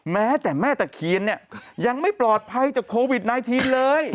แม้แต่แม่ตะเคียนเนี่ยยังไม่ปลอดภัยจากโควิด๑๙เลย